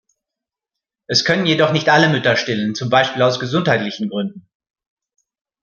Es können jedoch nicht alle Mütter stillen, zum Beispiel aus gesundheitlichen Gründen.